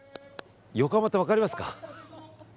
横浜って分かりますか？